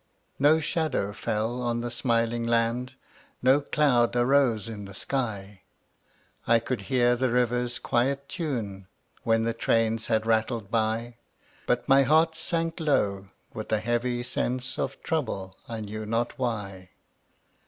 No shadow fell on the smiling land, No cloud arose in the sky; I could hear the river's quiet tune When the trains had rattled by; But my heart sank low with a heavy sense Of trouble, I knew not why.